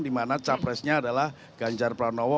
dimana capresnya adalah ganjar pranowo